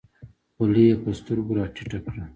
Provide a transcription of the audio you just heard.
خولۍ یې په سترګو راټیټه کړه.